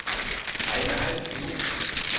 台南安平路